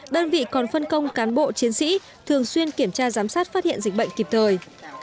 đơn vị còn phân công cán bộ chiến sĩ thường xuyên kiểm tra giám sát phát hiện dịch bệnh kịp thời